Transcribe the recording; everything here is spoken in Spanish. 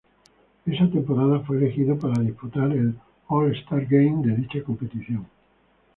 Esa temporada fue elegido para disputar el All-Star Game de dicha competición.